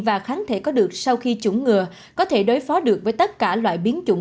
và kháng thể có được sau khi chủng ngừa có thể đối phó được với tất cả loại biến chủng